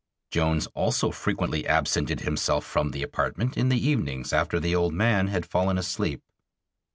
Jones also frequently absented himself from the apartment in the evenings after the old man had fallen asleep.